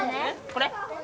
これ？